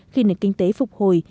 khi nền kinh tế phục hồi